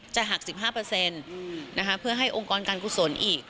หัก๑๕เพื่อให้องค์กรการกุศลอีก